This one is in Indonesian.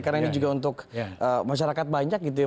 karena ini juga untuk masyarakat banyak gitu ya